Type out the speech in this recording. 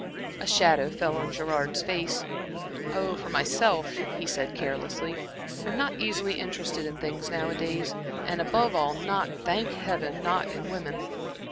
A shadow fell on Gerard's face. "Oh, for myself," he said, carelessly, "I'm not easily interested in things nowadays, and above all not thank Heaven! not in women."